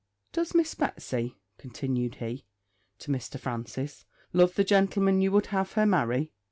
'Does Miss Betsy,' continued he, to Mr. Francis, 'love the gentleman you would have her marry?'